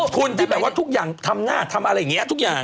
คุณที่แบบว่าทุกอย่างทำหน้าทำอะไรอย่างนี้ทุกอย่าง